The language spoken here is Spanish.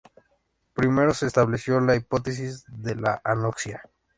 Primero se estableció la hipótesis de la anoxia.